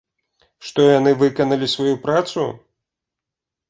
Што яны выканалі сваю працу?